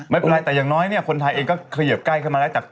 ไม่เป็นไรแต่อย่างน้อยเนี่ยคนไทยเองก็เขยิบใกล้เข้ามาแล้วจาก